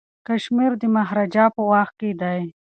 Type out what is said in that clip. کشمیر د مهاراجا په واک کي دی.